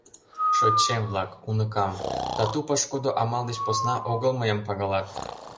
Шочшем-влак, уныкам, тату пошкудо Амал деч посна огыл мыйым пагалат!